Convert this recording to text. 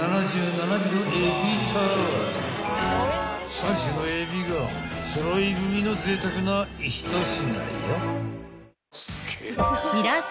［３種の海老が揃い踏みのぜいたくな一品よ］